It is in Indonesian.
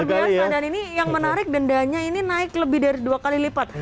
luar biasa dan ini yang menarik dendanya ini naik lebih dari dua kali lipat